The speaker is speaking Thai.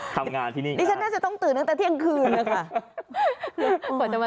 ทำงานที่นี่ดิฉันน่าจะต้องตื่นตั้งแต่เที่ยงคืนนะคะ